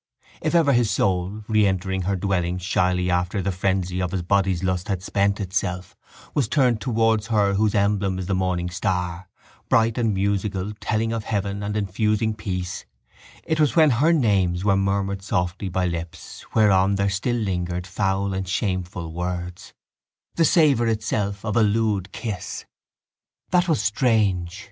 If ever his soul, re entering her dwelling shyly after the frenzy of his body's lust had spent itself, was turned towards her whose emblem is the morning star, "bright and musical, telling of heaven and infusing peace," it was when her names were murmured softly by lips whereon there still lingered foul and shameful words, the savour itself of a lewd kiss. That was strange.